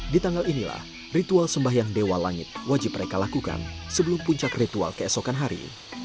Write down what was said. di tanggal inilah ritual sembahyang dewa langit wajib mereka lakukan sebelum puncak ritual keesokan hari